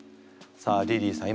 さあリリーさん